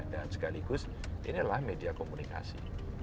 dan sekaligus inilah media komunikasi